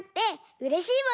うれしいもの